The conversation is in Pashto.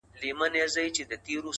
• چي هر يو به سو راستون له خياطانو,